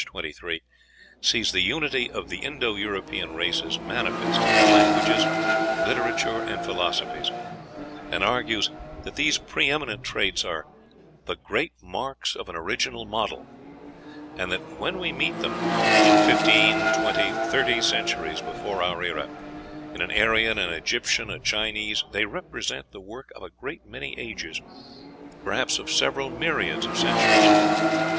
23), sees the unity of the Indo European races manifest in their languages, literature, and philosophies, and argues that these pre eminent traits are "the great marks of an original model," and that when we meet with them "fifteen, twenty, thirty centuries before our era, in an Aryan, an Egyptian, a Chinese, they represent the work of a great many ages, perhaps of several myriads of centuries....